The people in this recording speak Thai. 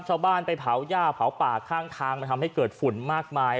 ชาวบ้านไปเผาหญ้าเผาป่าข้างทางมันทำให้เกิดฝุ่นมากมาย